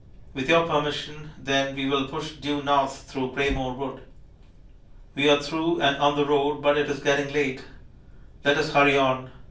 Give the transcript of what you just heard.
With your permission then we will push due north through Greymoor Wood. We are through and on the road, but it is getting late. I et us hurry on.